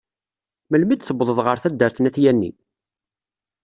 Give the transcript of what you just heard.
Melmi d-tewwḍeḍ ɣer taddart n At Yanni?